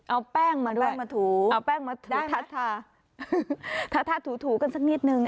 เอาแป้งมาด้วยแป้งมาถูเอาแป้งมาถูได้ไหมทัททาทัททาถูถูกันสักนิดหนึ่ง